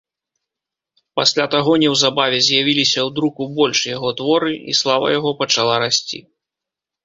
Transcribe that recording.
Пасля таго неўзабаве з'явіліся ў друку больш яго творы, і слава яго пачала расці.